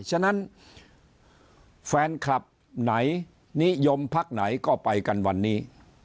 ฉะนั้นแฟนคลับไหนนิยมพักไหนก็ไปกันวันนี้